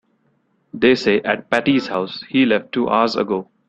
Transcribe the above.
They say at Patti's house he left two hours ago.